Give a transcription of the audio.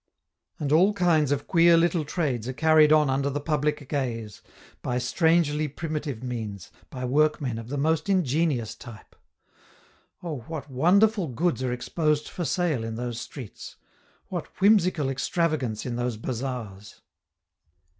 And all kinds of queer little trades are carried on under the public gaze, by strangely primitive means, by workmen of the most ingenious type. Oh, what wonderful goods are exposed for sale in those streets! What whimsical extravagance in those bazaars!